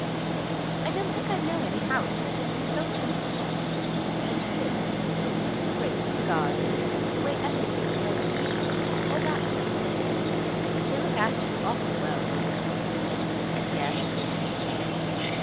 I don't think I know any house where things are so comfortable. One's room—the food—drinks—cigars—the way everything's arranged. All that sort of thing. They look after you awfully well." "Yes?"